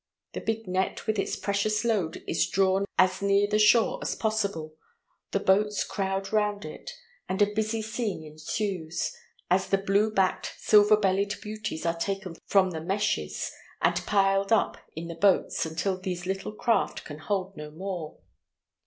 The big net with its precious load is drawn as near the shore as possible, the boats crowd round it, and a busy scene ensues, as the blue backed, silver bellied beauties are taken from the meshes, and piled up in the boats until these little craft can hold no more.